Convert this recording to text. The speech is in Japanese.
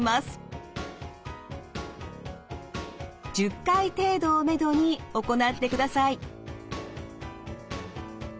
１０回程度をめどに行ってください。